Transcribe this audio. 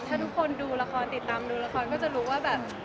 ถ้าทุกคนดูละครติดตามดูละครก็จะรู้ว่าแบบ